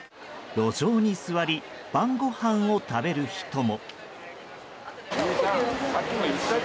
路上に座り晩ごはんを食べる人も。